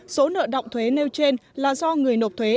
số nợ động thuế nêu trên là do người nộp thuế